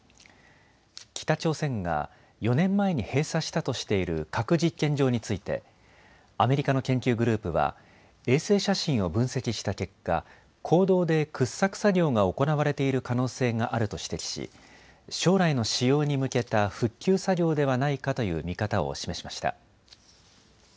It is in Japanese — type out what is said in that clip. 北朝鮮が４年前に閉鎖したとしている核実験場についてアメリカの研究グループは衛星写真を分析した結果、坑道で掘削作業が行われている可能性があると指摘し将来の使用に向けた復旧作業ではないかという見方を示しました。